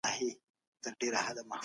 خلګو مخکي مرسته کړې وه.